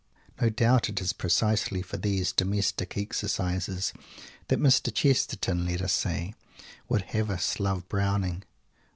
No doubt it is precisely for these Domestic Exercises that Mr. Chesterton, let us say, would have us love Browning.